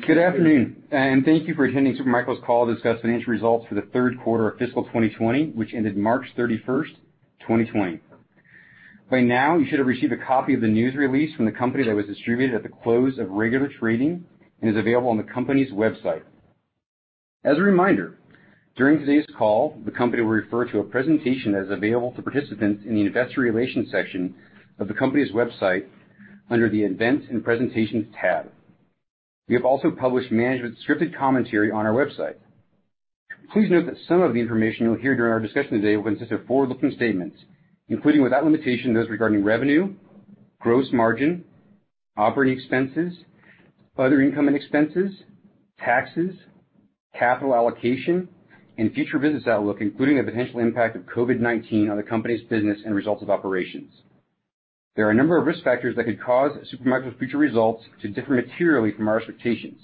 Good afternoon, and thank you for attending Supermicro's call to discuss financial results for the third quarter of fiscal 2020, which ended March 31st, 2020. By now, you should have received a copy of the news release from the company that was distributed at the close of regular trading and is available on the company's website. As a reminder, during today's call, the company will refer to a presentation that is available to participants in the Investor Relations section of the company's website under the events and presentations tab. We have also published management's scripted commentary on our website. Please note that some of the information you'll hear during our discussion today will consist of forward-looking statements, including, without limitation, those regarding revenue, gross margin, operating expenses, other income and expenses, taxes, capital allocation, and future business outlook, including the potential impact of COVID-19 on the company's business and results of operations. There are a number of risk factors that could cause Supermicro's future results to differ materially from our expectations.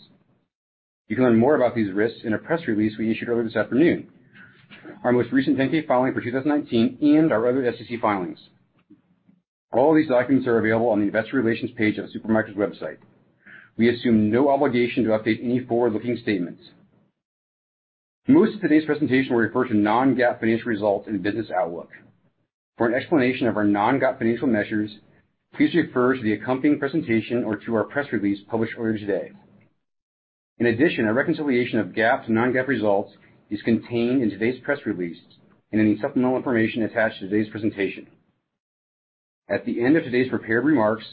You can learn more about these risks in a press release we issued earlier this afternoon, our most recent 10-K filing for 2019, and our other SEC filings. All of these documents are available on the investor relations page of Supermicro's website. We assume no obligation to update any forward-looking statements. Most of today's presentation will refer to non-GAAP financial results and business outlook. For an explanation of our non-GAAP financial measures, please refer to the accompanying presentation or to our press release published earlier today. In addition, a reconciliation of GAAP to non-GAAP results is contained in today's press release and in the supplemental information attached to today's presentation. At the end of today's prepared remarks,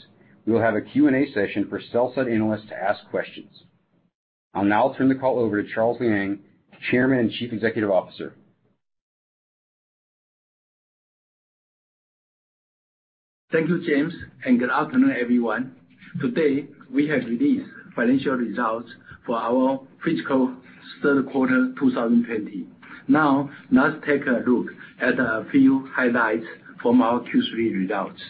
we will have a Q&A session for sell-side analysts to ask questions. I'll now turn the call over to Charles Liang, Chairman and Chief Executive Officer. Thank you, James, and good afternoon, everyone. Today, we have released financial results for our fiscal third quarter 2020. Let's take a look at a few highlights from our Q3 results.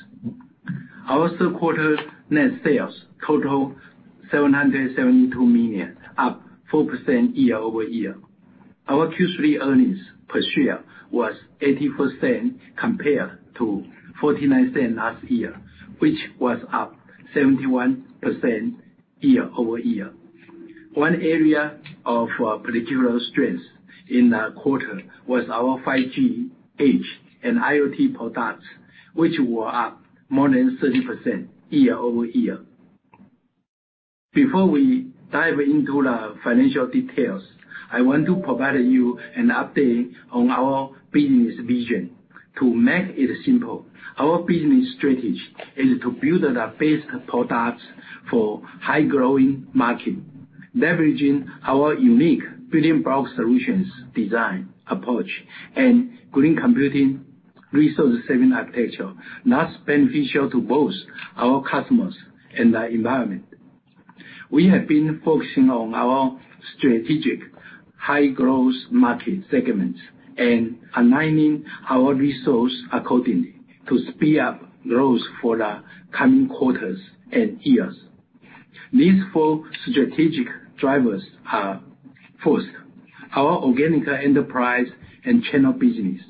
Our third quarter net sales total $772 million, up 4% year-over-year. Our Q3 earnings per share was $0.84 compared to $0.49 last year, which was up 71% year-over-year. One area of particular strength in the quarter was our 5G edge and IoT products, which were up more than 30% year-over-year. Before we dive into the financial details, I want to provide you an update on our business vision. To make it simple, our business strategy is to build the best products for high-growing market, leveraging our unique Building Block Solutions design approach and green computing resource-saving architecture, thus beneficial to both our customers and the environment. We have been focusing on our strategic high-growth market segments and aligning our resources accordingly to speed up growth for the coming quarters and years. These four strategic drivers are, first, our organic enterprise and channel business,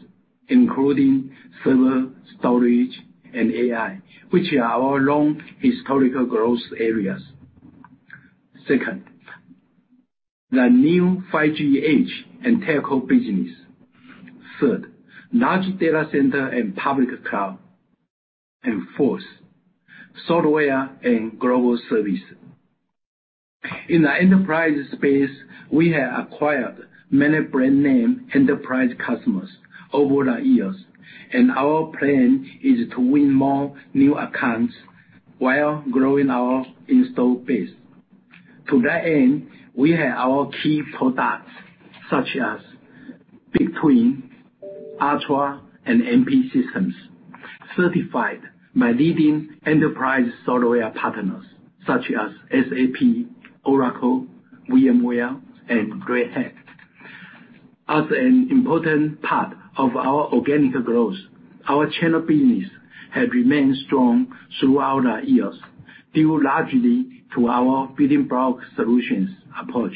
including server, storage, and AI, which are our long historical growth areas. Second, the new 5G edge and telco business. Third, large data center and public cloud. Fourth, software and global service. In the enterprise space, we have acquired many brand name enterprise customers over the years, and our plan is to win more new accounts while growing our install base. To that end, we have our key products such as BigTwin, Ultra, and MP systems, certified by leading enterprise software partners such as SAP, Oracle, VMware, and Red Hat. As an important part of our organic growth, our channel business has remained strong throughout the years, due largely to our Building Block Solutions approach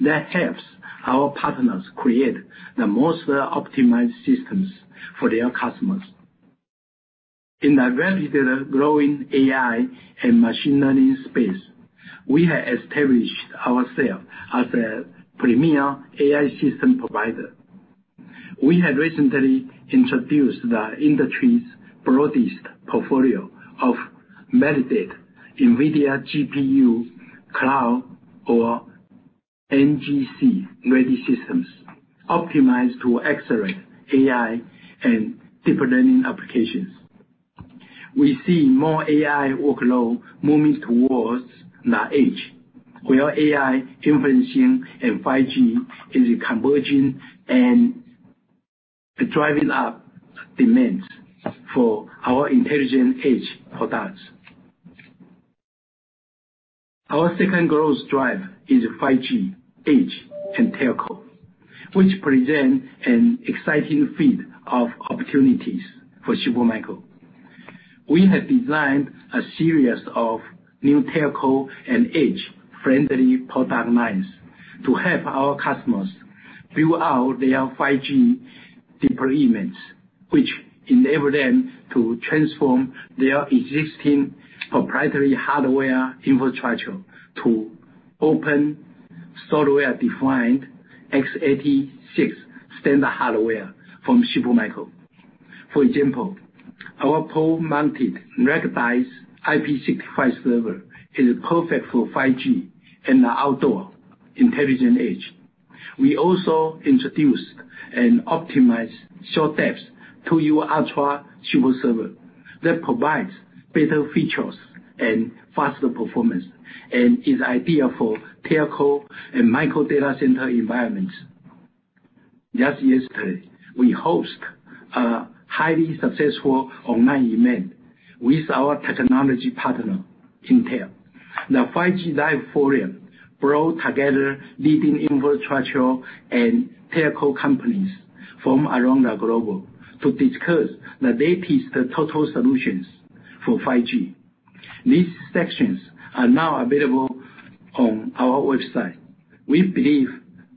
that helps our partners create the most optimized systems for their customers. In the rapidly growing AI and machine learning space, we have established ourself as a premier AI system provider. We have recently introduced the industry's broadest portfolio of validated NVIDIA GPU Cloud or NGC-ready systems optimized to accelerate AI and deep learning applications. We see more AI workload moving towards the edge, where AI inferencing and 5G is converging and driving up demand for our intelligent edge products. Our second growth driver is 5G, edge, and telco, which present an exciting field of opportunities for Supermicro. We have designed a series of new telco and edge-friendly product lines to help our customers build out their 5G deployments, which enable them to transform their existing proprietary hardware infrastructure to open software-defined x86 standard hardware from Supermicro. For example, our pole-mounted rack-optimized IP65 server is perfect for 5G and the outdoor intelligent edge. We also introduced and optimized short-depth 2U Ultra SuperServer that provides better features and faster performance and is ideal for telco and micro data center environments. Just yesterday, we hosted a highly successful online event with our technology partner, Intel. The 5G Live Forum brought together leading infrastructure and telco companies from around the globe to discuss the latest total solutions for 5G. These sessions are now available on our website. We believe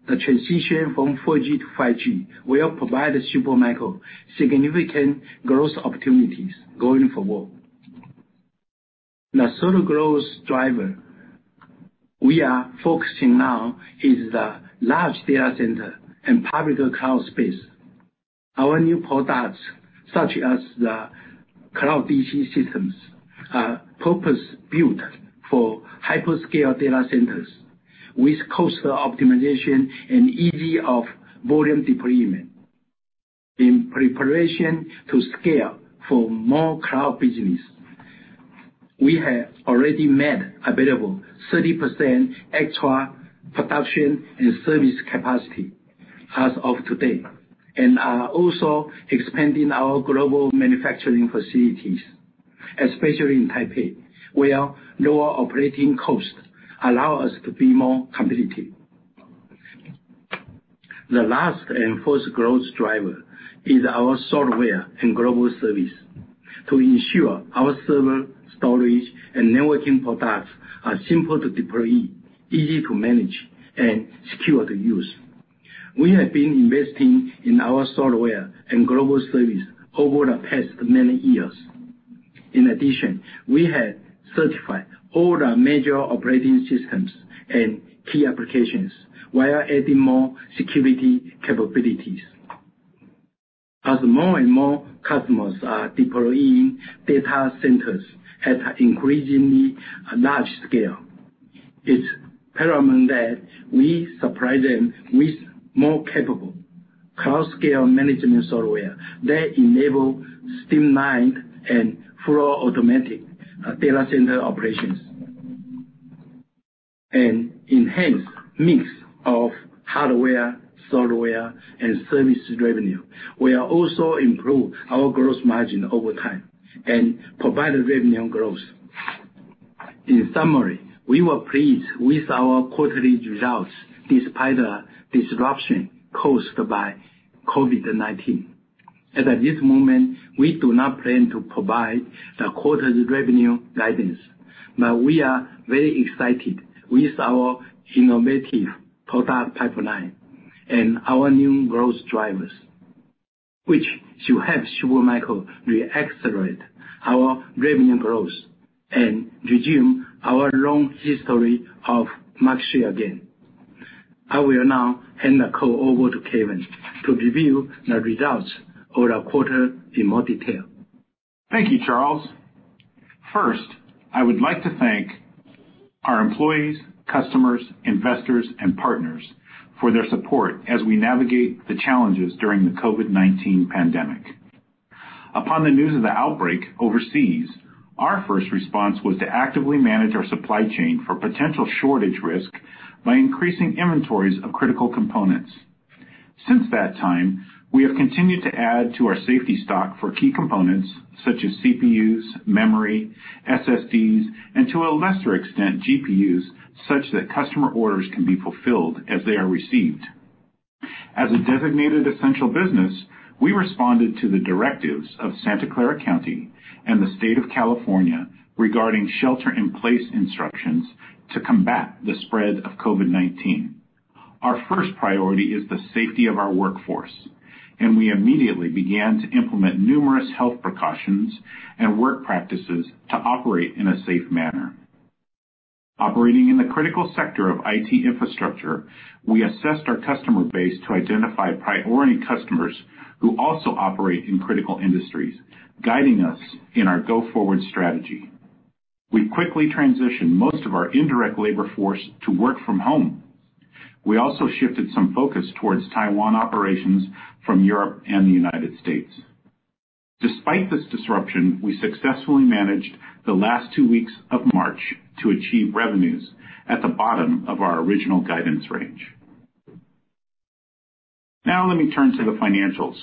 the transition from 4G to 5G will provide Supermicro significant growth opportunities going forward. The third growth driver we are focusing now is the large data center and private cloud space. Our new products, such as the CloudDC systems, are purpose-built for hyperscale data centers with cost optimization and ease of volume deployment. In preparation to scale for more cloud business, we have already made available 30% extra production and service capacity as of today and are also expanding our global manufacturing facilities, especially in Taipei, where lower operating costs allow us to be more competitive. The last and fourth growth driver is our software and global service. To ensure our server storage and networking products are simple to deploy, easy to manage, and secure to use, we have been investing in our software and global service over the past many years. In addition, we have certified all the major operating systems and key applications while adding more security capabilities. As more and more customers are deploying data centers at increasingly large scale, it's paramount that we supply them with more capable cloud scale management software that enable streamlined and full automatic data center operations. An enhanced mix of hardware, software, and services revenue will also improve our gross margin over time and provide revenue growth. In summary, we were pleased with our quarterly results despite the disruption caused by COVID-19. At this moment, we do not plan to provide the quarter's revenue guidance, but we are very excited with our innovative product pipeline and our new growth drivers, which should help Supermicro re-accelerate our revenue growth and resume our long history of market share again. I will now hand the call over to Kevin to review the results of the quarter in more detail. Thank you, Charles. First, I would like to thank our employees, customers, investors, and partners for their support as we navigate the challenges during the COVID-19 pandemic. Upon the news of the outbreak overseas, our first response was to actively manage our supply chain for potential shortage risk by increasing inventories of critical components. Since that time, we have continued to add to our safety stock for key components such as CPUs, memory, SSDs, and to a lesser extent, GPUs, such that customer orders can be fulfilled as they are received. As a designated essential business, we responded to the directives of Santa Clara County and the state of California regarding shelter in place instructions to combat the spread of COVID-19. Our first priority is the safety of our workforce, and we immediately began to implement numerous health precautions and work practices to operate in a safe manner. Operating in the critical sector of IT infrastructure, we assessed our customer base to identify priority customers who also operate in critical industries, guiding us in our go-forward strategy. We quickly transitioned most of our indirect labor force to work from home. We also shifted some focus towards Taiwan operations from Europe and the U.S. Despite this disruption, we successfully managed the last two weeks of March to achieve revenues at the bottom of our original guidance range. Let me turn to the financials.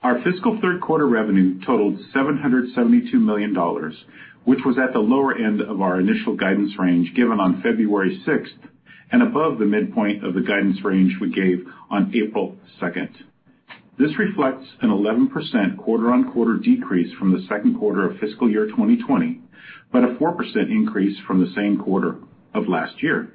Our fiscal third quarter revenue totaled $772 million, which was at the lower end of our initial guidance range given on February 6th and above the midpoint of the guidance range we gave on April 2nd. This reflects an 11% quarter-on-quarter decrease from the second quarter of fiscal year 2020, but a 4% increase from the same quarter of last year.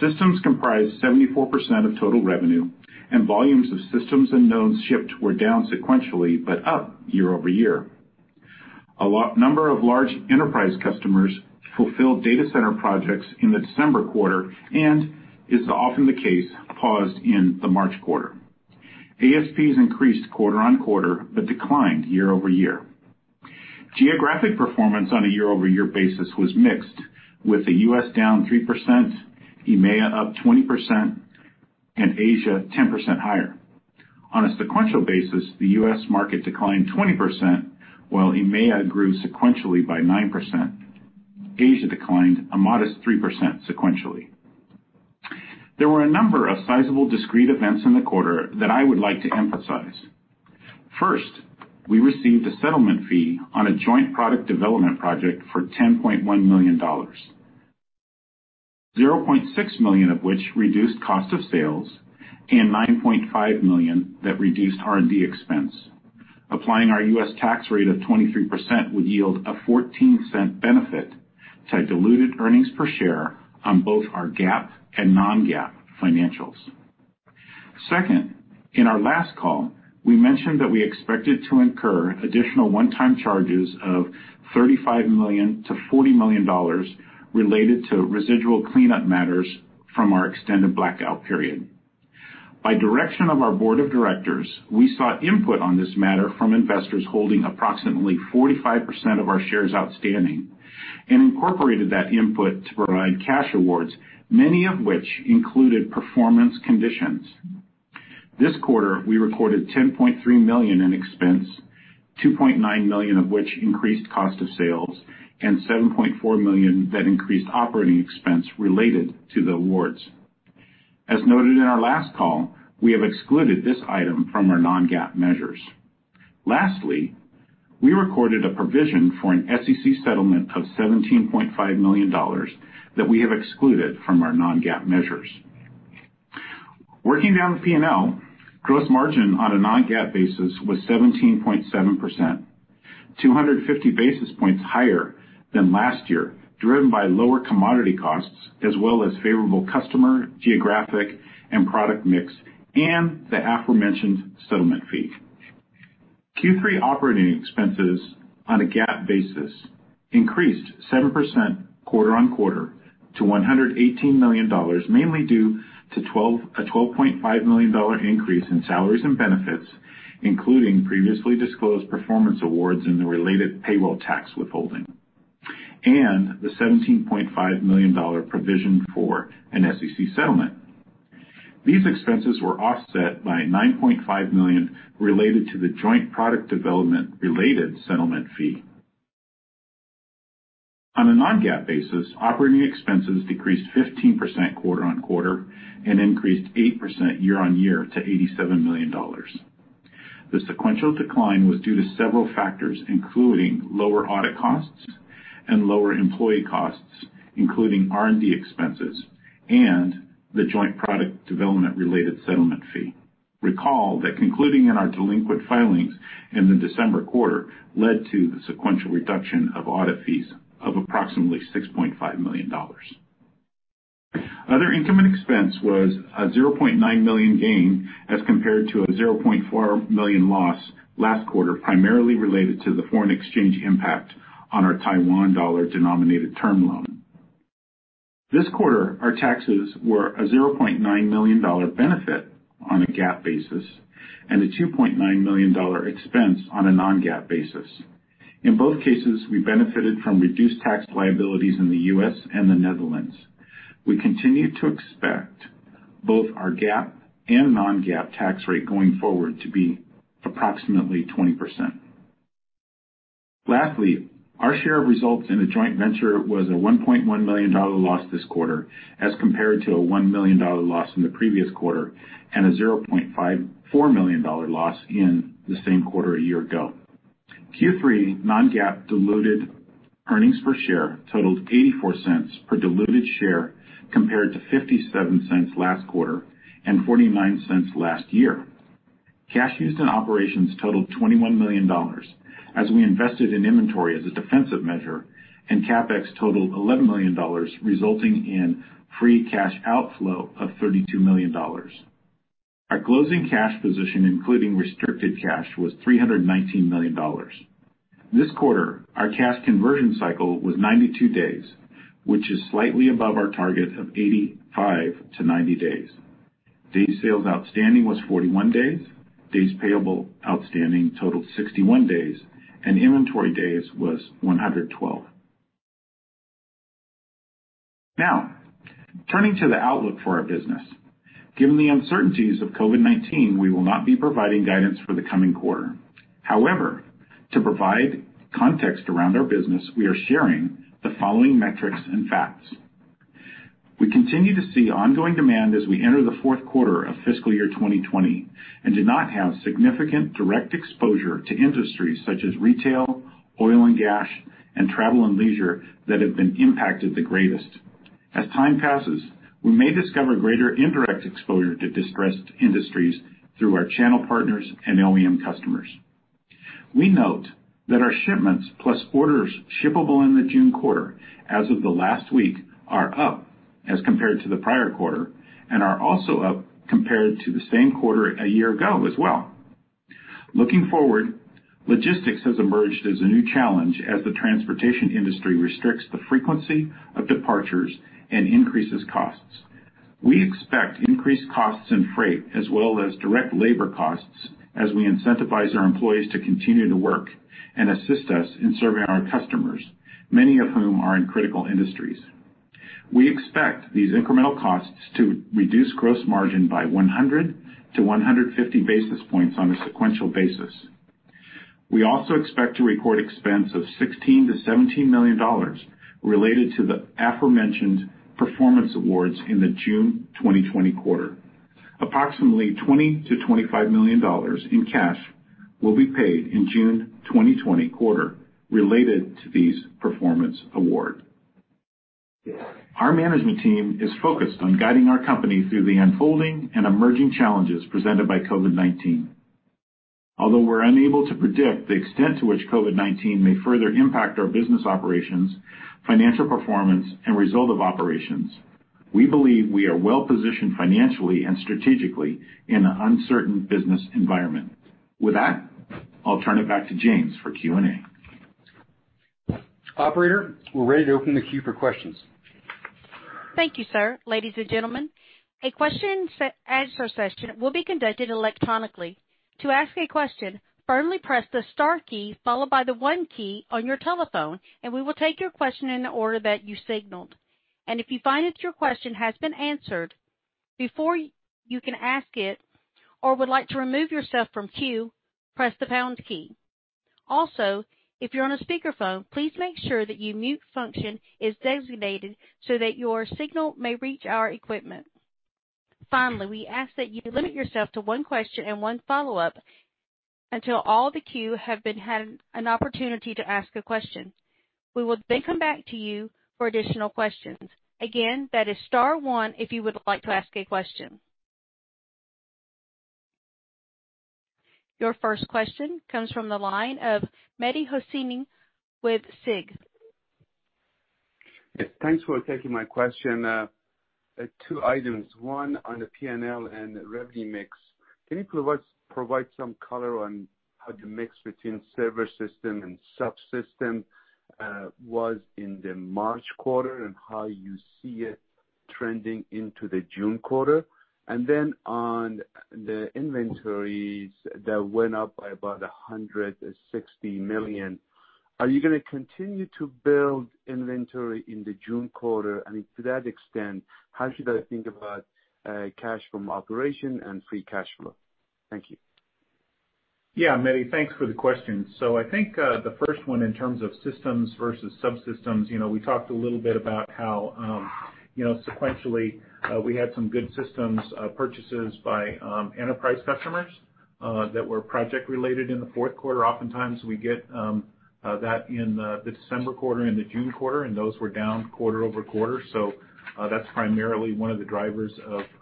Systems comprised 74% of total revenue, and volumes of systems and nodes shipped were down sequentially, but up year-over-year. A number of large enterprise customers fulfilled data center projects in the December quarter and, is often the case, paused in the March quarter. ASPs increased quarter-over-quarter but declined year-over-year. Geographic performance on a year-over-year basis was mixed, with the U.S. down 3%, EMEA up 20%, and Asia 10% higher. On a sequential basis, the U.S. market declined 20%, while EMEA grew sequentially by 9%. Asia declined a modest 3% sequentially. There were a number of sizable discrete events in the quarter that I would like to emphasize. First, we received a settlement fee on a joint product development project for $10.1 million, $0.6 million of which reduced cost of sales and $9.5 million that reduced R&D expense. Applying our U.S. tax rate of 23% would yield a $0.14 benefit to diluted earnings per share on both our GAAP and non-GAAP financials. Second, in our last call, we mentioned that we expected to incur additional one-time charges of $35 million-$40 million related to residual cleanup matters from our extended blackout period. By direction of our board of directors, we sought input on this matter from investors holding approximately 45% of our shares outstanding and incorporated that input to provide cash awards, many of which included performance conditions. This quarter, we recorded $10.3 million in expense, $2.9 million of which increased cost of sales, and $7.4 million that increased operating expense related to the awards. As noted in our last call, we have excluded this item from our non-GAAP measures. We recorded a provision for an SEC settlement of $17.5 million that we have excluded from our non-GAAP measures. Working down the P&L, gross margin on a non-GAAP basis was 17.7%, 250 basis points higher than last year, driven by lower commodity costs as well as favorable customer, geographic, and product mix, and the aforementioned settlement fee. Q3 operating expenses on a GAAP basis increased 7% quarter-on-quarter to $118 million, mainly due to a $12.5 million increase in salaries and benefits, including previously disclosed performance awards and the related payroll tax withholding, and the $17.5 million provision for an SEC settlement. These expenses were offset by $9.5 million related to the joint product development-related settlement fee. On a non-GAAP basis, operating expenses decreased 15% quarter-on-quarter and increased 8% year-on-year to $87 million. The sequential decline was due to several factors, including lower audit costs and lower employee costs, including R&D expenses and the joint product development-related settlement fee. Recall that concluding in our delinquent filings in the December quarter led to the sequential reduction of audit fees of approximately $6.5 million. Other income and expense was a $0.9 million gain as compared to a $0.4 million loss last quarter, primarily related to the foreign exchange impact on our Taiwan dollar-denominated term loan. This quarter, our taxes were a $0.9 million benefit on a GAAP basis and a $2.9 million expense on a non-GAAP basis. In both cases, we benefited from reduced tax liabilities in the U.S. and the Netherlands. We continue to expect both our GAAP and non-GAAP tax rate going forward to be approximately 20%. Lastly, our share of results in the joint venture was a $1.1 million loss this quarter, as compared to a $1 million loss in the previous quarter and a $0.54 million loss in the same quarter a year ago. Q3 non-GAAP diluted earnings per share totaled $0.84 per diluted share compared to $0.57 last quarter and $0.49 last year. Cash used in operations totaled $21 million as we invested in inventory as a defensive measure, and CapEx totaled $11 million, resulting in free cash outflow of $32 million. Our closing cash position, including restricted cash, was $319 million. This quarter, our cash conversion cycle was 92 days, which is slightly above our target of 85-90 days. Days sales outstanding was 41 days payable outstanding totaled 61 days, and inventory days was 112. Turning to the outlook for our business. Given the uncertainties of COVID-19, we will not be providing guidance for the coming quarter. However, to provide context around our business, we are sharing the following metrics and facts. We continue to see ongoing demand as we enter the fourth quarter of fiscal year 2020 and did not have significant direct exposure to industries such as retail, oil and gas, and travel and leisure that have been impacted the greatest. As time passes, we may discover greater indirect exposure to distressed industries through our channel partners and OEM customers. We note that our shipments plus orders shippable in the June quarter as of the last week are up as compared to the prior quarter, and are also up compared to the same quarter a year ago as well. Looking forward, logistics has emerged as a new challenge as the transportation industry restricts the frequency of departures and increases costs. We expect increased costs in freight, as well as direct labor costs as we incentivize our employees to continue to work and assist us in serving our customers, many of whom are in critical industries. We expect these incremental costs to reduce gross margin by 100-150 basis points on a sequential basis. We also expect to record expense of $16 million-$17 million related to the aforementioned performance awards in the June 2020 quarter. Approximately $20 million-$25 million in cash will be paid in June 2020 quarter related to these performance award. Our management team is focused on guiding our company through the unfolding and emerging challenges presented by COVID-19. Although we're unable to predict the extent to which COVID-19 may further impact our business operations, financial performance, and result of operations, we believe we are well-positioned financially and strategically in an uncertain business environment. With that, I'll turn it back to James for Q&A. Operator, we're ready to open the queue for questions. Thank you, sir. Ladies and gentlemen, a question and answer session will be conducted electronically. To ask a question, firmly press the star key followed by the one key on your telephone, and we will take your question in the order that you signaled. If you find that your question has been answered before you can ask it, or would like to remove yourself from queue, press the pound key. Also, if you're on a speakerphone, please make sure that your mute function is designated so that your signal may reach our equipment. Finally, we ask that you limit yourself to one question and one follow-up until all the queue have had an opportunity to ask a question. We will then come back to you for additional questions. Again, that is star one if you would like to ask a question. Your first question comes from the line of Mehdi Hosseini with SIG. Yes, thanks for taking my question. Two items. One on the P&L and revenue mix. Can you provide some color on how the mix between server system and subsystem was in the March quarter, and how you see it trending into the June quarter? Then on the inventories that went up by about $160 million, are you going to continue to build inventory in the June quarter? If to that extent, how should I think about cash from operation and free cash flow? Thank you. Yeah, Mehdi, thanks for the question. I think, the first one in terms of systems versus subsystems, we talked a little bit about how sequentially we had some good systems purchases by enterprise customers that were project related in the fourth quarter. Oftentimes we get that in the December quarter and the June quarter, and those were down quarter-over-quarter. That's primarily one of the drivers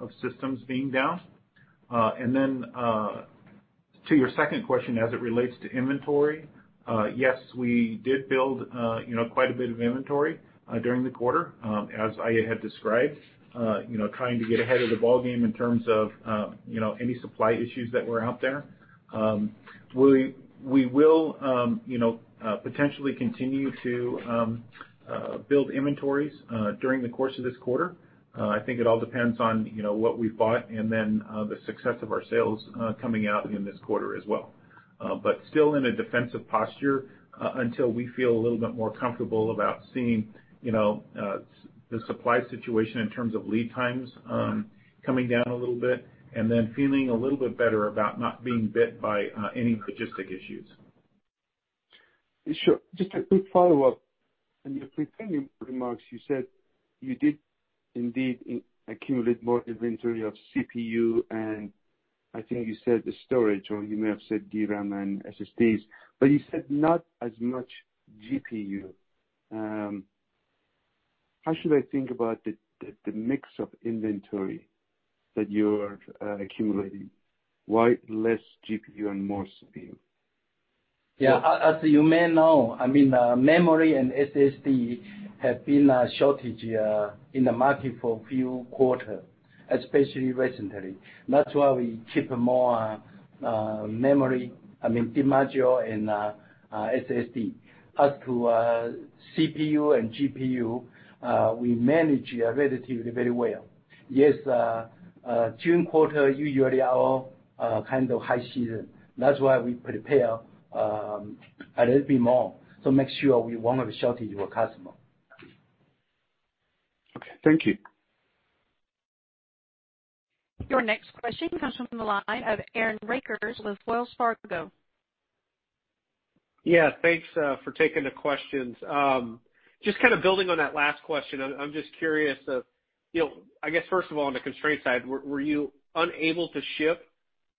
of systems being down. To your second question as it relates to inventory, yes, we did build quite a bit of inventory during the quarter, as I had described, trying to get ahead of the ballgame in terms of any supply issues that were out there. We will potentially continue to build inventories during the course of this quarter. I think it all depends on what we've bought and then the success of our sales coming out in this quarter as well. Still in a defensive posture until we feel a little bit more comfortable about seeing the supply situation in terms of lead times coming down a little bit, and then feeling a little bit better about not being bit by any logistic issues. Sure. Just a quick follow-up. On your preceding remarks, you said you did indeed accumulate more inventory of CPU and I think you said the storage, or you may have said DRAM and SSDs, but you said not as much GPU. How should I think about the mix of inventory that you are accumulating? Why less GPU and more CPU? Yeah. As you may know, memory and SSD have been a shortage in the market for a few quarter, especially recently. That's why we keep more memory, DIMM module and SSD. As to CPU and GPU, we manage relatively very well. Yes, June quarter usually our kind of high season. That's why we prepare a little bit more, so make sure we won't have a shortage for customer. Okay. Thank you. Your next question comes from the line of Aaron Rakers with Wells Fargo. Yeah. Thanks for taking the questions. Just kind of building on that last question. I'm just curious of, I guess first of all, on the constraint side, were you unable to ship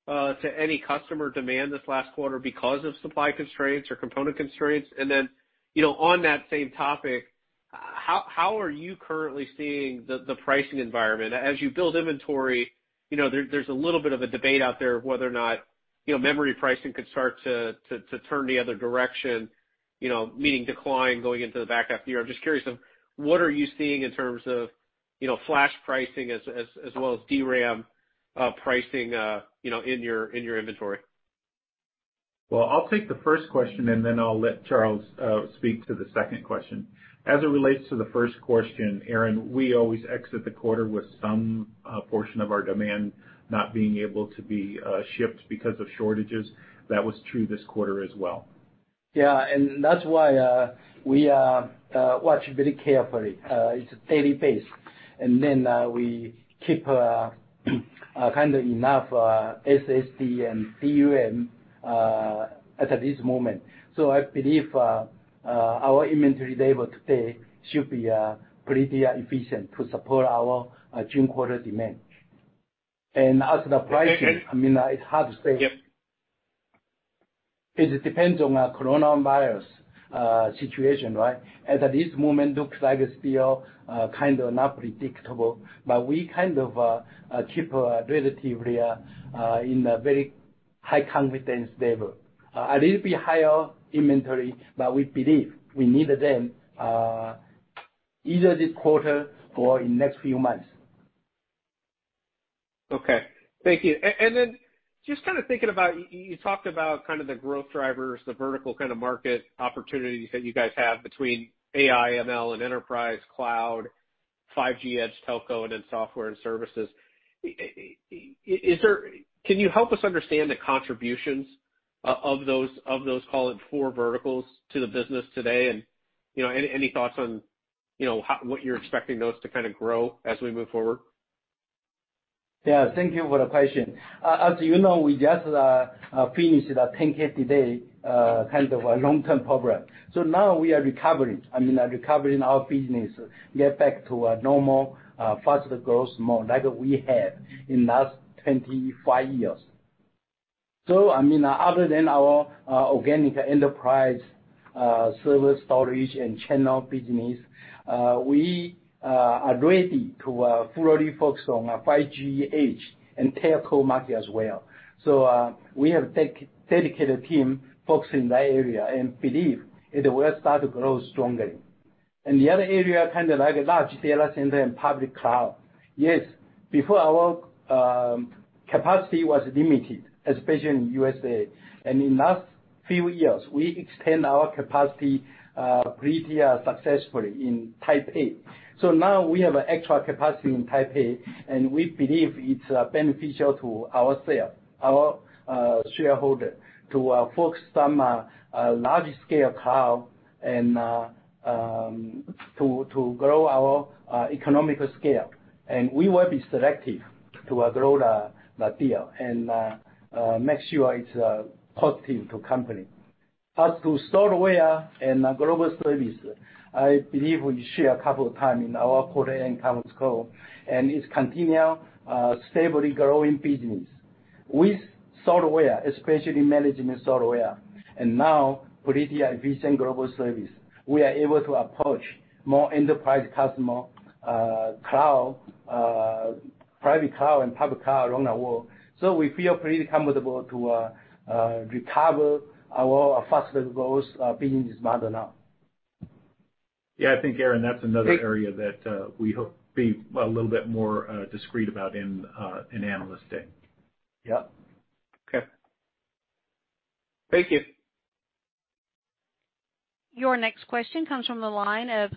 to any customer demand this last quarter because of supply constraints or component constraints? On that same topic, how are you currently seeing the pricing environment? As you build inventory, there's a little bit of a debate out there of whether or not memory pricing could start to turn the other direction, meaning decline going into the back half of the year. I'm just curious of what are you seeing in terms of flash pricing as well as DRAM pricing in your inventory? I'll take the first question, and then I'll let Charles speak to the second question. As it relates to the first question, Aaron, we always exit the quarter with some portion of our demand not being able to be shipped because of shortages. That was true this quarter as well. Yeah. That's why we watch very carefully. It's a daily basis. Then we keep enough SSD and DRAM at this moment. I believe our inventory level today should be pretty efficient to support our June quarter demand. As the pricing, it's hard to say. Yep. It depends on coronavirus situation, right? As of this moment, looks like it's still kind of not predictable, but we keep relatively in a very high confidence level. A little bit higher inventory, but we believe we need them either this quarter or in next few months. Okay. Thank you. Just thinking about, you talked about the growth drivers, the vertical market opportunities that you guys have between AI, ML, and enterprise cloud, 5G, edge telco, and then software and services. Can you help us understand the contributions of those, call it, four verticals to the business today, and any thoughts on what you're expecting those to grow as we move forward? Yeah. Thank you for the question. As you know, we just finished the 10-K today, a long-term program. Now we are recovering. We are recovering our business, get back to a normal, faster growth mode like we had in last 25 years. Other than our organic enterprise service storage and channel business, we are ready to fully focus on 5G, edge, and telco market as well. We have dedicated team focusing that area and believe it will start to grow strongly. The other area, like large data center and public cloud, yes, before our capacity was limited, especially in U.S. In last few years, we extend our capacity pretty successfully in Taipei. Now we have extra capacity in Taipei, and we believe it's beneficial to our sale, our shareholder, to focus some large-scale cloud and to grow our economical scale. We will be selective to grow that deal and make sure it's positive to company. As to software and global service, I believe we share a couple of time in our quarter-end conference call, and it's continual, stably growing business. With software, especially management software, and now pretty efficient global service, we are able to approach more enterprise customer cloud, private cloud and public cloud around the world. We feel pretty comfortable to recover our faster growth beginning this month and now. Yeah, I think, Aaron, that's another area that we hope be a little bit more discreet about in Analyst Day. Yep. Okay. Thank you. Your next question comes from the line of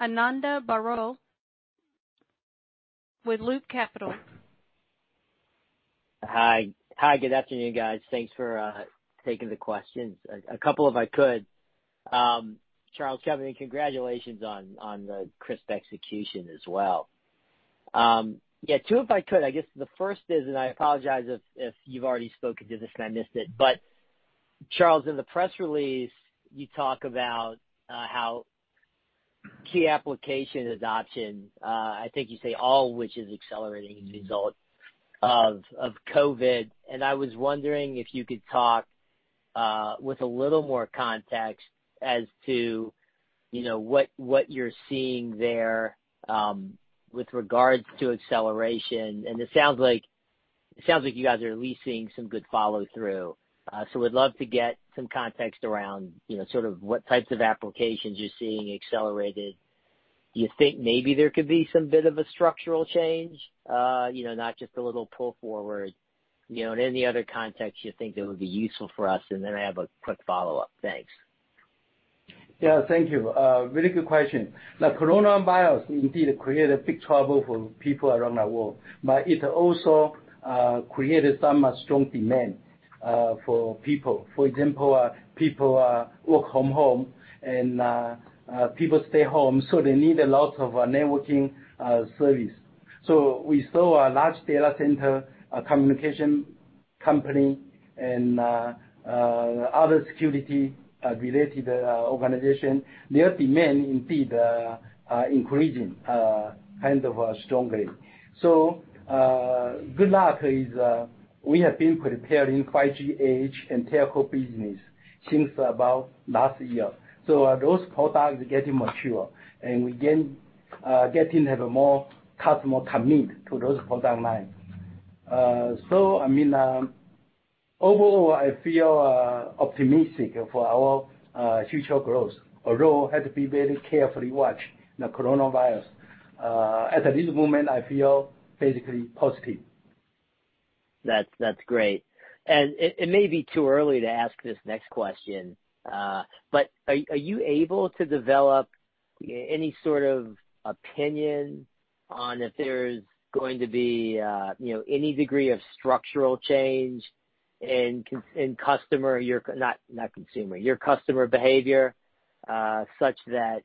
Ananda Baruah with Loop Capital. Hi. Good afternoon, guys. Thanks for taking the questions. A couple, if I could. Charles, Kevin, congratulations on the crisp execution as well. Yeah, two if I could. I guess the first is, I apologize if you've already spoken to this and I missed it, but Charles, in the press release, you talk about how key application adoption, I think you say all, which is accelerating as a result of COVID. I was wondering if you could talk with a little more context as to what you're seeing there with regards to acceleration. Would love to get some context around sort of what types of applications you're seeing accelerated. Do you think maybe there could be some bit of a structural change, not just a little pull forward? Any other context you think that would be useful for us. I have a quick follow-up. Thanks. Yeah, thank you. A really good question. The coronavirus indeed created big trouble for people around the world, but it also created some strong demand for people. For example, people work home and people stay home, so they need a lot of networking service. We saw a large data center communication company and other security-related organization. Their demand indeed are increasing kind of strongly. Good luck is we have been preparing 5G, Edge, and telco business since about last year. Those products are getting mature, and we again getting have a more customer commit to those product lines. I mean, overall, I feel optimistic for our future growth, although have to be very carefully watch the coronavirus. At this moment, I feel basically positive. That's great. It may be too early to ask this next question, but are you able to develop any sort of opinion on if there's going to be any degree of structural change in customer, your customer behavior, such that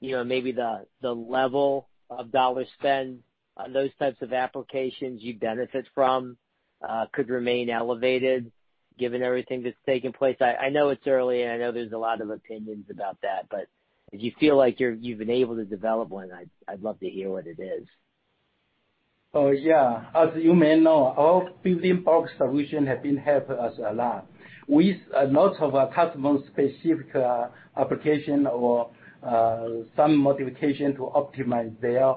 maybe the level of dollar spend on those types of applications you benefit from could remain elevated given everything that's taken place? I know it's early, and I know there's a lot of opinions about that, but if you feel like you've been able to develop one, I'd love to hear what it is. Yeah. As you may know, our Building Block Solutions have been helping us a lot with a lot of customer-specific application or some modification to optimize their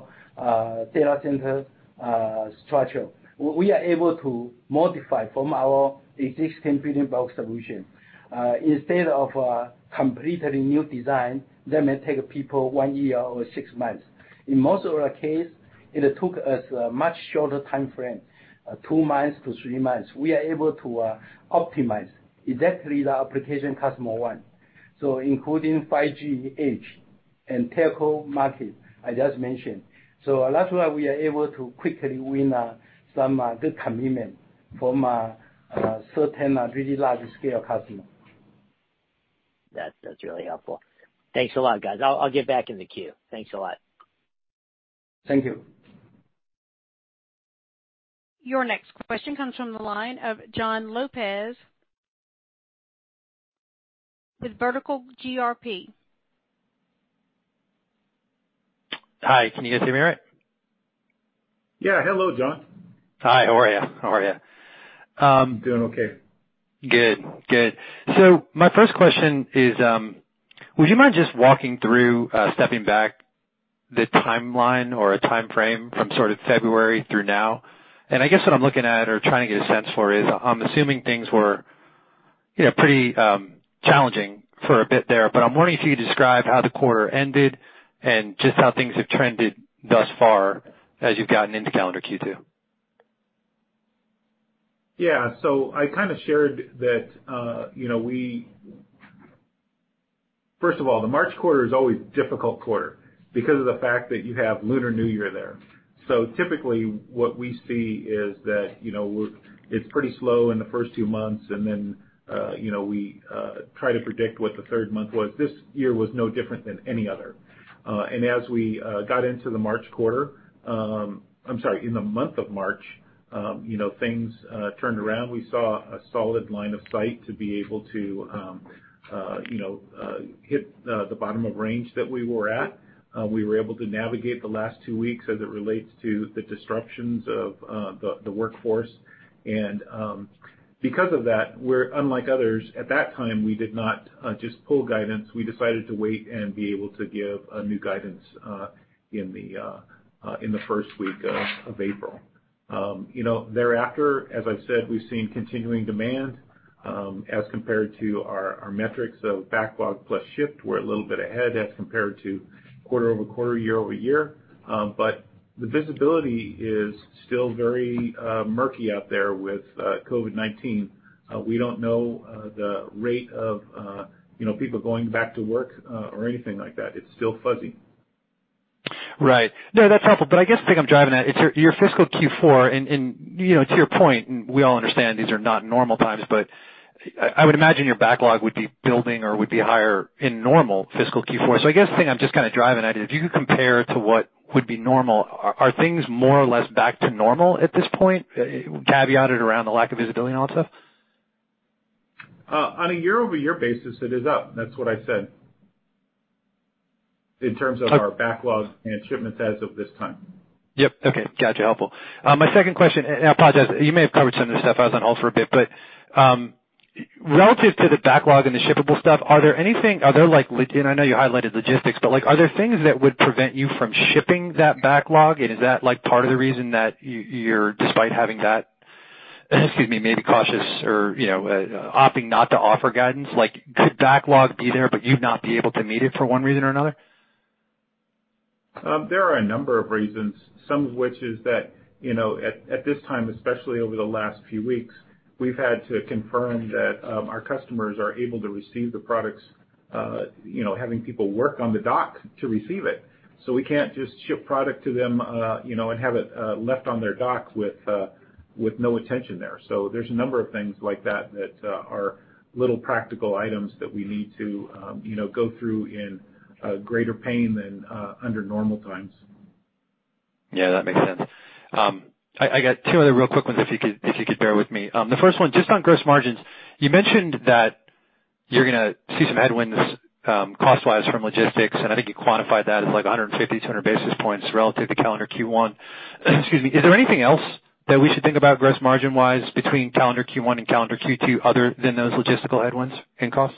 data center structure. We are able to modify from our existing Building Block Solutions. Instead of a completely new design that may take people one year or six months. In most of the case, it took us a much shorter timeframe, two months to three months. We are able to optimize exactly the application customer want. Including 5G, Edge, and telco market I just mentioned. That's why we are able to quickly win some good commitment from certain really large-scale customer. That's really helpful. Thanks a lot, guys. I'll get back in the queue. Thanks a lot. Thank you. Your next question comes from the line of John Lopez with Vertical Group. Hi, can you guys hear me all right? Yeah. Hello, John. Hi, how are you? Doing okay. Good. My first question is, would you mind just walking through, stepping back the timeline or a timeframe from sort of February through now? I guess what I'm looking at or trying to get a sense for is, I'm assuming things were pretty challenging for a bit there, but I'm wondering if you could describe how the quarter ended and just how things have trended thus far as you've gotten into calendar Q2. Yeah. I kind of shared that first of all, the March quarter is always a difficult quarter because of the fact that you have Lunar New Year there. Typically, what we see is that it's pretty slow in the first two months and then we try to predict what the third month was. This year was no different than any other. As we got into the March quarter, I'm sorry, in the month of March things turned around. We saw a solid line of sight to be able to hit the bottom of range that we were at. We were able to navigate the last two weeks as it relates to the disruptions of the workforce. Because of that, we're unlike others. At that time, we did not just pull guidance. We decided to wait and be able to give a new guidance in the first week of April. Thereafter, as I've said, we've seen continuing demand, as compared to our metrics of backlog plus shift. We're a little bit ahead as compared to quarter-over-quarter, year-over-year. The visibility is still very murky out there with COVID-19. We don't know the rate of people going back to work or anything like that. It's still fuzzy. Right. No, that's helpful. I guess the thing I'm driving at, it's your fiscal Q4. To your point, we all understand these are not normal times. I would imagine your backlog would be building or would be higher in normal fiscal Q4. I guess the thing I'm just kind of driving at is if you could compare to what would be normal, are things more or less back to normal at this point, caveated around the lack of visibility on stuff? On a year-over-year basis, it is up. That's what I said in terms of our backlog and shipments as of this time. Yep. Okay. Got you. Helpful. My second question, I apologize, you may have covered some of this stuff. I was on hold for a bit, relative to the backlog and the shippable stuff, are there like, I know you highlighted logistics, are there things that would prevent you from shipping that backlog? Is that part of the reason that you're, despite having that, excuse me, maybe cautious or opting not to offer guidance? Could backlog be there, you'd not be able to meet it for one reason or another? There are a number of reasons, some of which is that, at this time, especially over the last few weeks, we've had to confirm that our customers are able to receive the products, having people work on the dock to receive it. We can't just ship product to them and have it left on their dock with no attention there. There's a number of things like that that are little practical items that we need to go through in greater pain than under normal times. Yeah, that makes sense. I got two other real quick ones if you could bear with me. The first one, just on gross margins, you mentioned that you're going to see some headwinds cost-wise from logistics, and I think you quantified that as like 150-100 basis points relative to calendar Q1. Excuse me. Is there anything else that we should think about gross margin-wise between calendar Q1 and calendar Q2, other than those logistical headwinds and costs?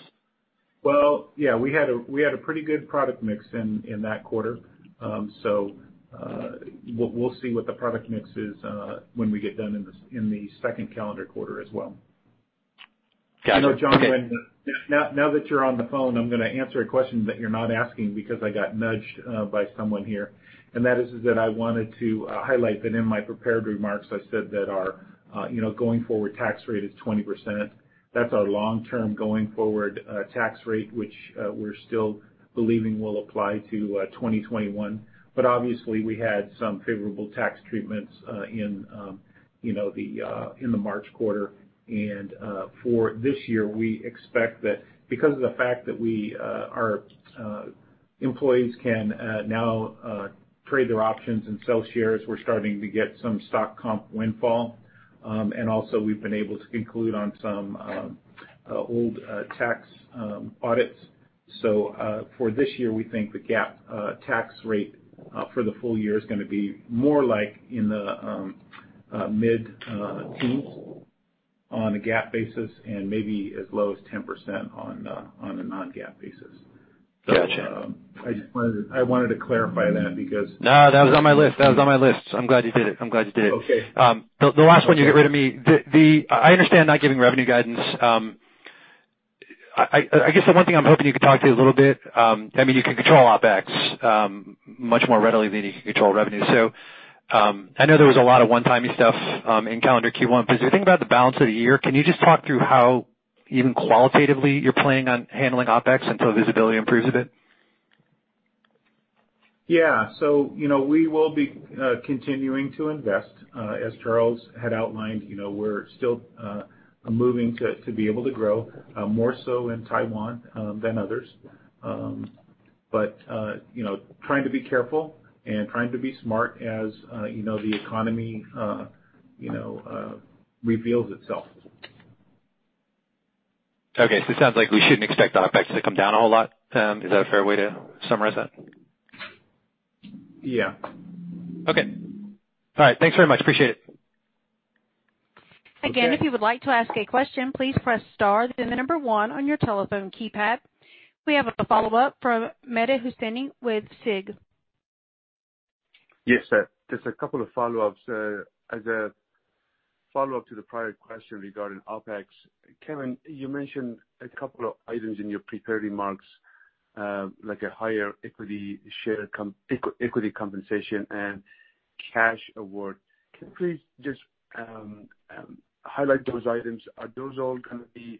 Well, yeah. We had a pretty good product mix in that quarter. We'll see what the product mix is when we get done in the second calendar quarter as well. Got it. Okay. You know, John, now that you're on the phone, I'm going to answer a question that you're not asking because I got nudged by someone here, and that is that I wanted to highlight that in my prepared remarks, I said that our going forward tax rate is 20%. That's our long-term going forward tax rate, which we're still believing will apply to 2021. Obviously, we had some favorable tax treatments in the March quarter. For this year, we expect that because of the fact that our employees can now trade their options and sell shares, we're starting to get some stock comp windfall. Also we've been able to conclude on some old tax audits. For this year, we think the GAAP tax rate for the full year is going to be more like in the mid-teens on a GAAP basis, and maybe as low as 10% on a non-GAAP basis. Got you. I wanted to clarify that. No, that was on my list. I'm glad you did it. Okay. The last one, you get rid of me. I understand not giving revenue guidance. I guess the one thing I'm hoping you could talk to a little bit, I mean, you can control OpEx much more readily than you can control revenue. I know there was a lot of one-time stuff in calendar Q1. As you think about the balance of the year, can you just talk through how, even qualitatively, you're planning on handling OpEx until visibility improves a bit? Yeah. We will be continuing to invest as Charles had outlined. We're still moving to be able to grow, more so in Taiwan than others. Trying to be careful and trying to be smart as the economy reveals itself. Okay. It sounds like we shouldn't expect OpEx to come down a whole lot. Is that a fair way to summarize that? Yeah. Okay. All right. Thanks very much. Appreciate it. Again, if you would like to ask a question, please press star, then the number one on your telephone keypad. We have a follow-up from Mehdi Hosseini with SIG. Just a couple of follow-ups. As a follow-up to the prior question regarding OpEx, Kevin, you mentioned a couple of items in your prepared remarks, like a higher equity compensation and cash award. Can you please just highlight those items? Are those all going to be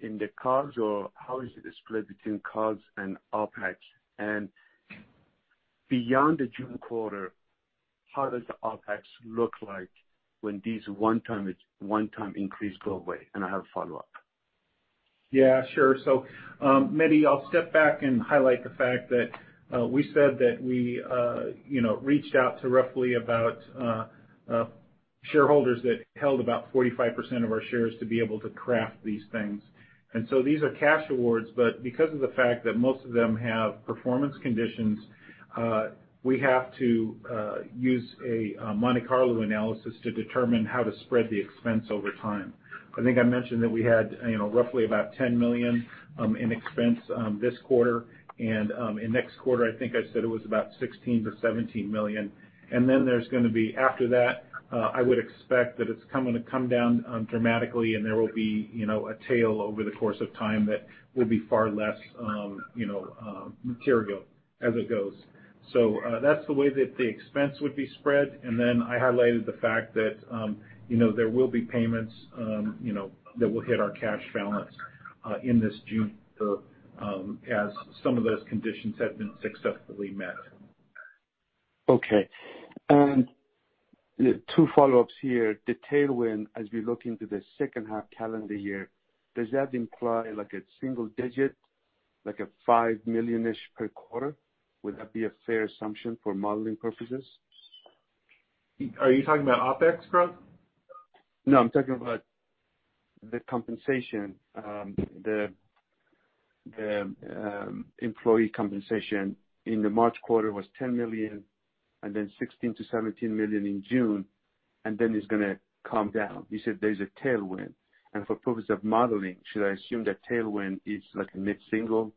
in the cards, or how is it split between cards and OpEx? Beyond the June quarter, how does the OpEx look like when these one-time increase go away? I have a follow-up. Yeah, sure. Mehdi, I'll step back and highlight the fact that we said that we reached out to roughly about shareholders that held about 45% of our shares to be able to craft these things. These are cash awards, but because of the fact that most of them have performance conditions, we have to use a Monte Carlo analysis to determine how to spread the expense over time. I think I mentioned that we had roughly about $10 million in expense this quarter, and in next quarter, I think I said it was about $16 million-$17 million. There's going to be after that, I would expect that it's going to come down dramatically and there will be a tail over the course of time that will be far less material as it goes. That's the way that the expense would be spread. I highlighted the fact that there will be payments that will hit our cash balance in this June as some of those conditions have been successfully met. Okay. Two follow-ups here. The tailwind, as we look into the second half calendar year, does that imply like a single digit, like a $5 million-ish per quarter? Would that be a fair assumption for modeling purposes? Are you talking about OpEx growth? No, I'm talking about the compensation. The employee compensation in the March quarter was $10 million, and then $16 million-$17 million in June, and then it's going to come down. You said there's a tailwind. For purpose of modeling, should I assume that tailwind is like mid-single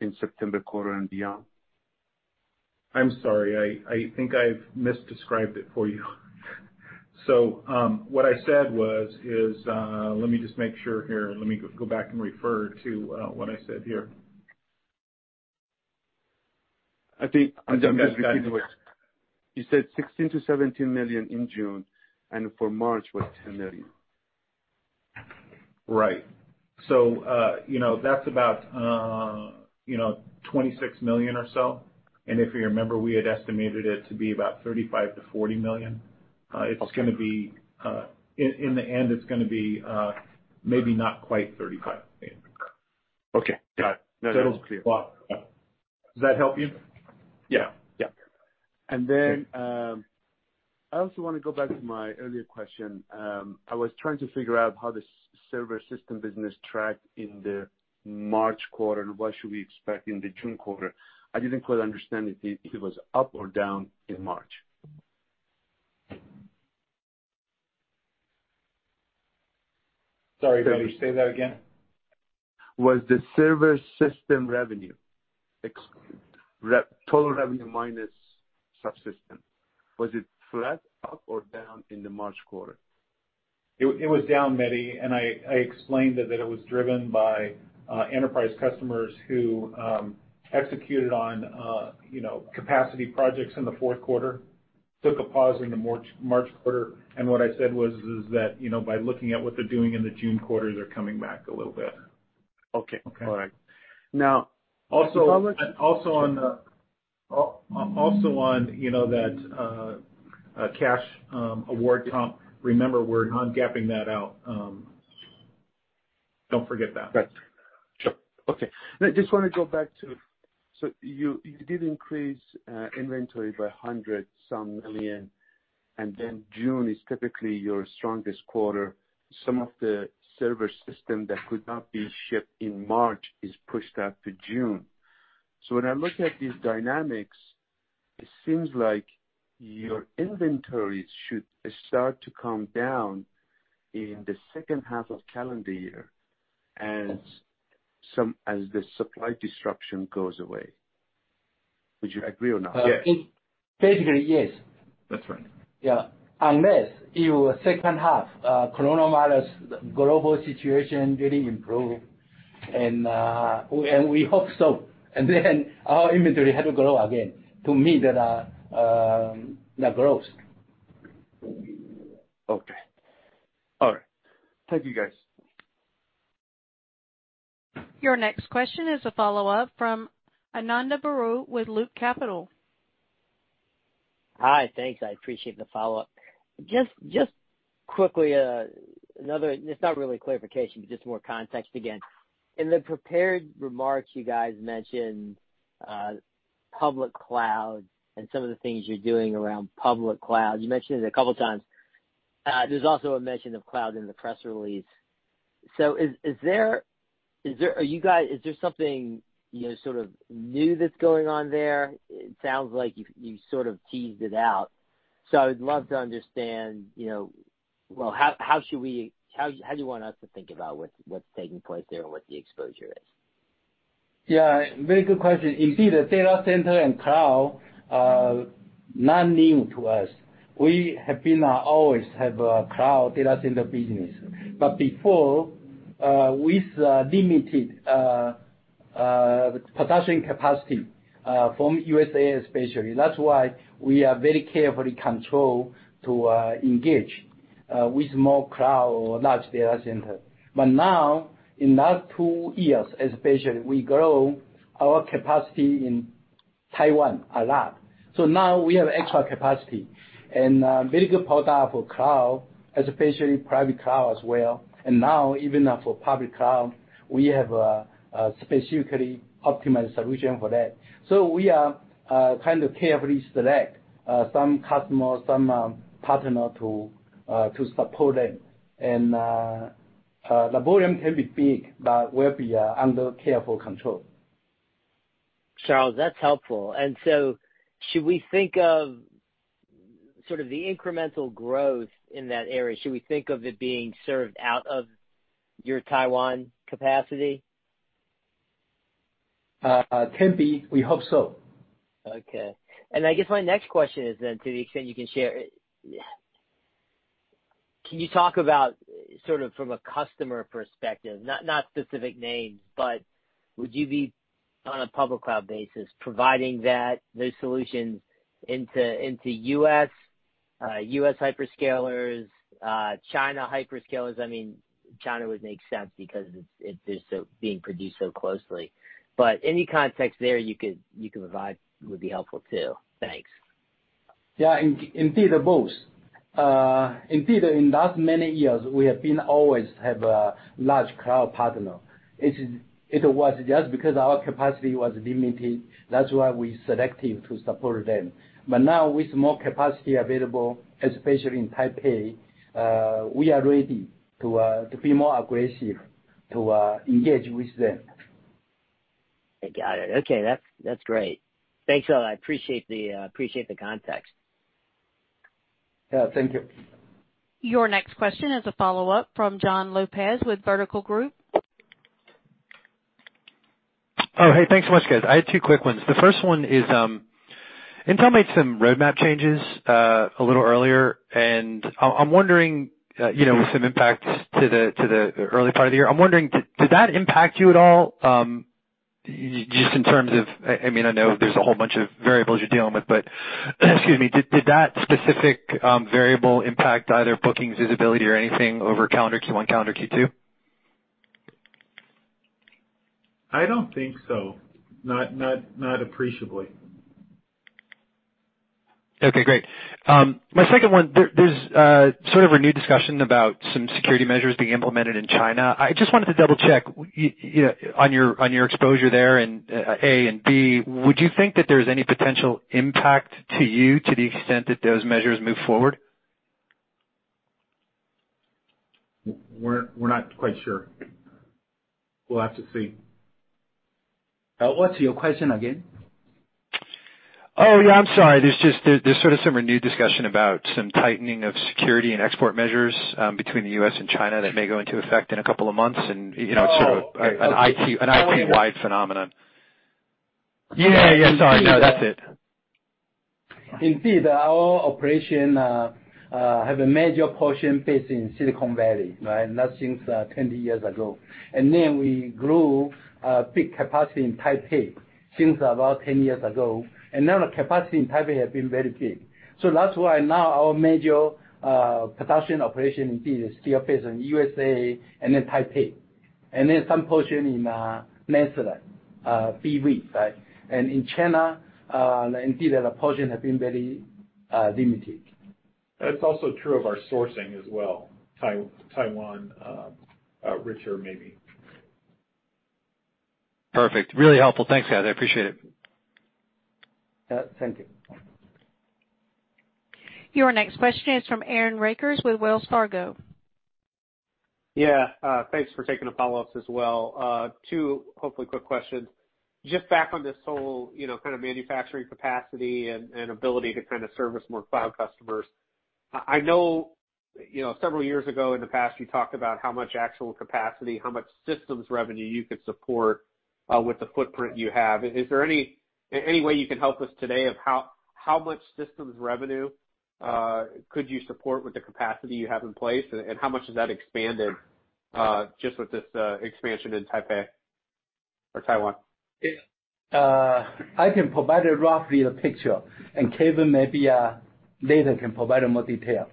in September quarter and beyond? I'm sorry. I think I've misdescribed it for you. What I said was. Let me just make sure here. Let me go back and refer to what I said here. I think just repeating what you said, $16 million-$17 million in June, and for March was $10 million. Right. That's about $26 million or so. If you remember, we had estimated it to be about $35 million-$40 million. In the end, it's going to be maybe not quite $35 million. Okay. Got it. Now that is clear. Does that help you? Yeah. Yeah. I also want to go back to my earlier question. I was trying to figure out how the server system business tracked in the March quarter, and what should we expect in the June quarter. I didn't quite understand if it was up or down in March. Sorry, Mehdi. Say that again? Was the server system revenue, total revenue minus subsystem, was it flat, up, or down in the March quarter? It was down, Mehdi, and I explained that it was driven by enterprise customers who executed on capacity projects in the fourth quarter, took a pause in the March quarter. What I said was is that by looking at what they're doing in the June quarter, they're coming back a little bit. Okay. All right. On that cash award comp, remember we're non-GAAP that out. Don't forget that. Right. Sure. Okay. I just want to go back to, you did increase inventory by $100-some million, and then June is typically your strongest quarter. Some of the server system that could not be shipped in March is pushed out to June. When I look at these dynamics, it seems like your inventories should start to come down in the second half of calendar year as the supply disruption goes away. Would you agree or not? Yes. Basically, yes. That's right. Yeah. Unless in second half, coronavirus global situation really improve, and we hope so, our inventory have to grow again to meet the growth. Okay. All right. Thank you, guys. Your next question is a follow-up from Ananda Baruah with Loop Capital. Hi. Thanks. I appreciate the follow-up. Just quickly, another, it's not really a clarification, but just more context again. In the prepared remarks, you guys mentioned public cloud and some of the things you're doing around public cloud. You mentioned it a couple of times. There's also a mention of cloud in the press release. Is there something sort of new that's going on there? It sounds like you sort of teased it out, so I would love to understand, how do you want us to think about what's taking place there and what the exposure is? Yeah, very good question. Indeed, data center and cloud are not new to us. We have been always have a cloud data center business. Before, with limited production capacity from USA especially, that's why we are very carefully controlled to engage with more cloud or large data center. Now, in last two years especially, we grow our capacity in Taiwan a lot. Now we have extra capacity and very good product for cloud, especially private cloud as well. Now even for public cloud, we have a specifically optimized solution for that. We are carefully select some customers, some partner to support them. The volume can be big, but will be under careful control. Charles, that's helpful. Should we think of sort of the incremental growth in that area? Should we think of it being served out of your Taiwan capacity? Can be. We hope so. Okay. I guess my next question is then, to the extent you can share, can you talk about sort of from a customer perspective, not specific names, would you be on a public cloud basis providing those solutions into U.S. hyperscalers, China hyperscalers? China would make sense because it's being produced so closely, any context there you could provide would be helpful too. Thanks. Yeah, indeed, both. Indeed, in last many years, we have been always have a large cloud partner. It was just because our capacity was limited, that's why we selective to support them. Now with more capacity available, especially in Taipei, we are ready to be more aggressive to engage with them. I got it. Okay. That's great. Thanks, all. I appreciate the context. Yeah. Thank you. Your next question is a follow-up from John Lopez with Vertical Group. Oh, hey. Thanks so much, guys. I had two quick ones. The first one is, Intel made some roadmap changes a little earlier, with some impact to the early part of the year. I'm wondering, did that impact you at all? Just in terms of, I know there's a whole bunch of variables you're dealing with, excuse me, did that specific variable impact either bookings, visibility, or anything over calendar Q1, calendar Q2? I don't think so. Not appreciably. Okay, great. My second one, there's sort of a new discussion about some security measures being implemented in China. I just wanted to double-check on your exposure there, A, and B, would you think that there's any potential impact to you to the extent that those measures move forward? We're not quite sure. We'll have to see. What's your question again? Oh, yeah, I'm sorry. There's sort of some renewed discussion about some tightening of security and export measures between the U.S. and China that may go into effect in a couple of months. It's sort of an IT-wide phenomenon. Oh, okay. Yeah. Sorry. No, that's it. Indeed. Our operation have a major portion based in Silicon Valley. That's since 20 years ago. We grew a big capacity in Taipei since about 10 years ago. The capacity in Taipei has been very big. That's why now our major production operation indeed is still based in USA and in Taipei, some portion in Netherlands, and in China, indeed the portion has been very limited. That's also true of our sourcing as well, Taiwan, Richard, maybe. Perfect. Really helpful. Thanks, guys. I appreciate it. Thank you. Your next question is from Aaron Rakers with Wells Fargo. Yeah. Thanks for taking the follow-ups as well. Two hopefully quick questions. Just back on this whole kind of manufacturing capacity and ability to kind of service more cloud customers. I know several years ago, in the past, you talked about how much actual capacity, how much systems revenue you could support, with the footprint you have. Is there any way you can help us today of how much systems revenue could you support with the capacity you have in place, and how much has that expanded, just with this expansion in Taipei or Taiwan? I can provide roughly the picture. Kevin maybe later can provide more detail.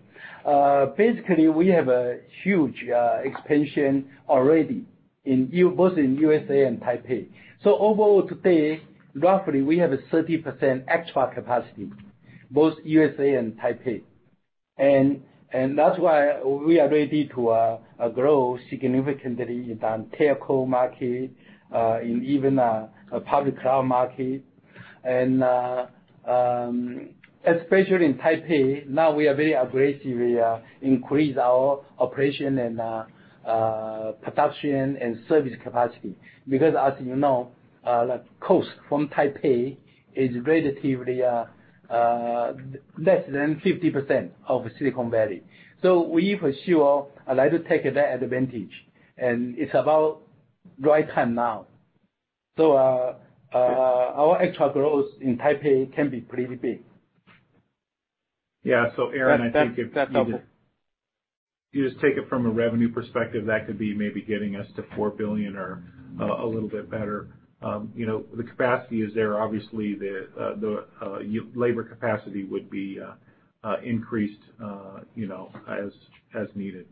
Basically, we have a huge expansion already, both in USA and Taipei. Overall today, roughly, we have a 30% extra capacity, both USA and Taipei. That's why we are ready to grow significantly in telco market, in even public cloud market. Especially in Taipei now, we are very aggressively increase our operation and production and service capacity. Because as you know, cost from Taipei is relatively less than 50% of Silicon Valley. We for sure like to take that advantage, and it's about right time now. Our extra growth in Taipei can be pretty big. Yeah. Aaron, That's helpful. you just take it from a revenue perspective, that could be maybe getting us to $4 billion or a little bit better. The capacity is there. Obviously, the labor capacity would be increased as needed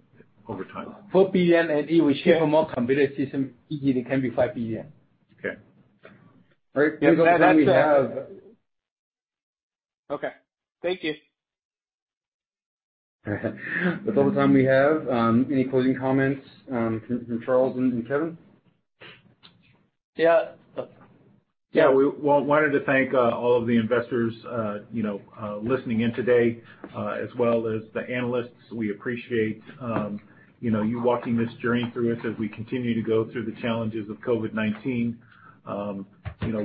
over time. $4 billion, and if we ship more computer system, it can be $5 billion. Okay. All right. That's all the time we have. Okay. Thank you. That's all the time we have. Any closing comments from Charles and Kevin? Yeah. Well, we wanted to thank all of the investors listening in today, as well as the analysts. We appreciate you walking this journey through us as we continue to go through the challenges of COVID-19.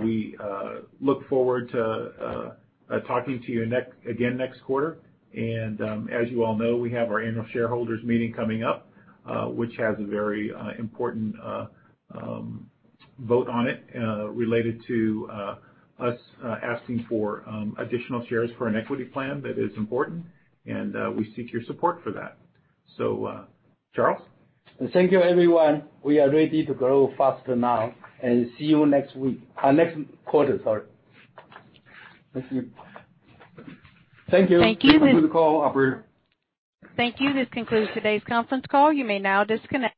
We look forward to talking to you again next quarter. As you all know, we have our annual shareholders meeting coming up, which has a very important vote on it, related to us asking for additional shares for an equity plan that is important, and we seek your support for that. Charles? Thank you, everyone. We are ready to grow faster now. See you next week. Next quarter, sorry. Thank you. Thank you. Thank you. End the call operator. Thank you. This concludes today's conference call. You may now disconnect.